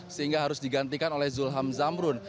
sehingga harus digantikan oleh zulham zamrun